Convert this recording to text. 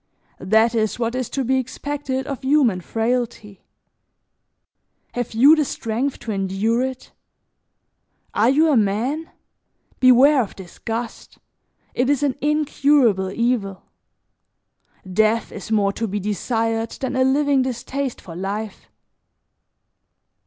That is what is to be expected of human frailty; have you the strength to endure it? Are you a man? Beware of disgust, it is an incurable evil; death is more to be desired than a living distaste for life.